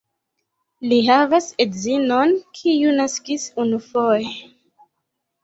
Li havas edzinon, kiu naskis unufoje.